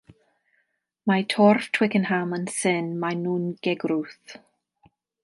Mae torf Twickenham yn syn, maen nhw'n gegrwth.